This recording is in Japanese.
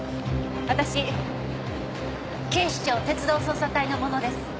私警視庁鉄道捜査隊の者です。